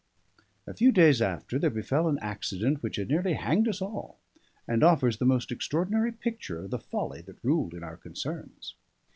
A few days after there befell an accident which had nearly hanged us all; and offers the most extraordinary picture of the folly that ruled in our concerns.